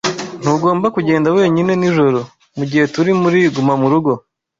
Ntugomba kugenda wenyine nijoro mugihe turi muri gumamurugo.